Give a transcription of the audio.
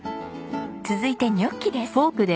続いてニョッキです。